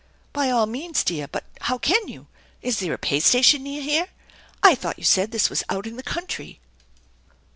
" By all means, dear ; but how can you ? Is there a pay station near here? I thought you said this was out in the country."